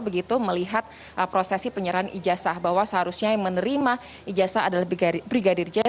begitu melihat prosesi penyerahan ijazah bahwa seharusnya yang menerima ijazah adalah brigadir j